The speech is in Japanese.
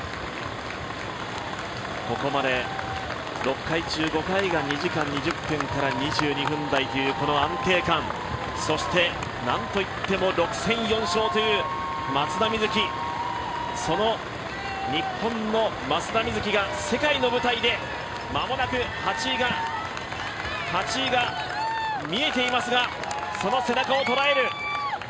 ここまで６回中５回が２時間２０分から２１分台というこの安定感、そしてなんといっても６戦４勝という松田瑞生、日本の松田瑞生が世界の舞台でまもなく８位が見えていますがその背中を捉える。